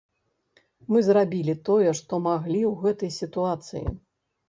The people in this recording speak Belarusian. Мы зрабілі тое, што маглі ў гэтай сітуацыі.